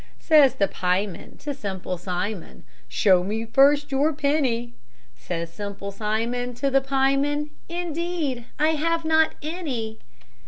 Says the pieman to Simple Simon, "Show me first your penny," Says Simple Simon to the pieman, "Indeed, I have not any."